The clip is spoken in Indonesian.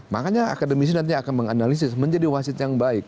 makanya akademisi nanti akan menganalisis menjadi wasit yang baik